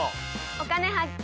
「お金発見」。